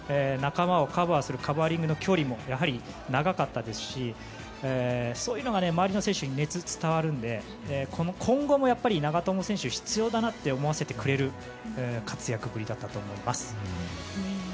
仲間をカバーするカバーリングの距離もやはり長かったですしそういうのが周りの選手に熱が伝わるので今後も長友選手、必要だなと思わせてくれる活躍ぶりだったと思います。